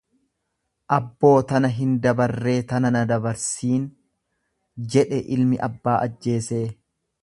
Abboo tana hin dabarree tana na dabarsiin! jedhe ilmi abbaa ajjeesee.